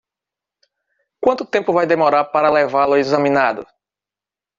Quanto tempo vai demorar para levá-lo examinado?